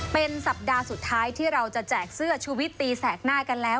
เป็นสัปดาห์สุดท้ายที่เราจะแจกเสื้อชูวิตตีแสกหน้ากันแล้ว